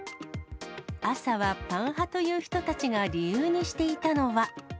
朝はパン派という人たちが理由にしていたのは。